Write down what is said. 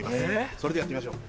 それではやってみましょう。